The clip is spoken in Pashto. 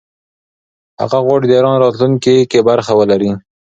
هغه غواړي د ایران راتلونکې کې برخه ولري.